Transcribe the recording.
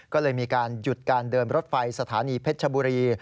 ก็เลยมีการหยุดการเดินรถไฟสถานีเพชรชบุรี